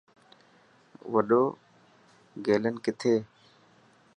وڏو گيلين ڪٿي.